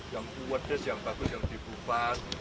yang kuat yang bagus yang dibubat